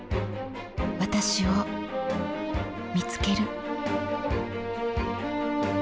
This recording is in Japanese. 私を見つける。